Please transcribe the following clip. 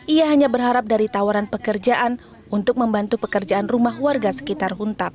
ia hanya berharap dari tawaran pekerjaan untuk membantu pekerjaan rumah warga sekitar huntap